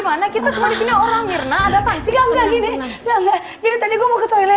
mana kita semua di sini orang mirna ada pasti enggak gini enggak jadi tadi gue mau ke toilet